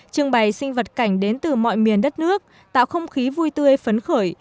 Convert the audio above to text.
trưng bày sinh vật cảnh đến từ mọi miền đất nước tạo không khí vui tươi phấn khởi